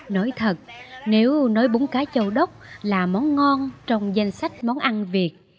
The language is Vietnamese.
nói thật nếu nói búng cá châu đốc là món ngon trong danh sách món ăn việt